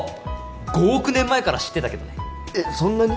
５億年前から知ってたけどねえっそんなに？